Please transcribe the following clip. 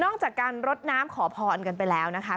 จากการรดน้ำขอพรกันไปแล้วนะคะ